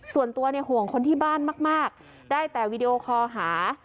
ส่วนตัวเนี่ยห่วงคนที่บ้านมากได้แต่วีดีโอคอลหา